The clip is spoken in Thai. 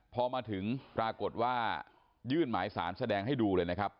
พอมาถึงปรากฏว่ายื่นหมายสารแสดงให้ดูเลยนะครับ